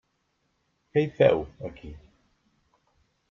Què hi feu, aquí?